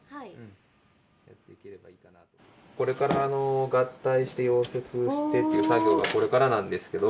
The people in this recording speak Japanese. これから合体して溶接をしてっていう作業がこれからなんですけど。